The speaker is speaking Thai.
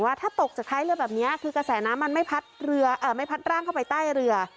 ว่าถ้าตกจากท้ายเรือแบบนี้คือกระแสน้ำมันไม่พัดเรือไม่พัดร่างเข้าไปใต้เรือ